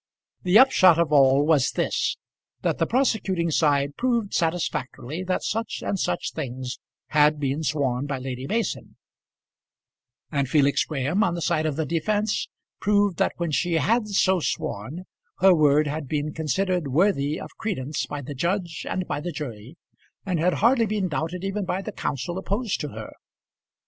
The upshot of all was this, that the prosecuting side proved satisfactorily that such and such things had been sworn by Lady Mason; and Felix Graham on the side of the defence proved that, when she had so sworn, her word had been considered worthy of credence by the judge and by the jury, and had hardly been doubted even by the counsel opposed to her.